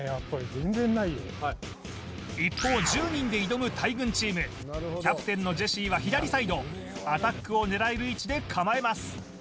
一方１０人で挑む大群チームキャプテンのジェシーは左サイドアタックを狙える位置で構えます